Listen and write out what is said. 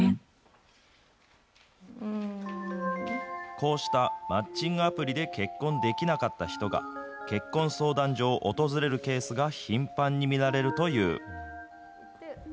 こうしたマッチングアプリで結婚できなかった人が、結婚相談所を訪れるケースが頻繁に見られるという。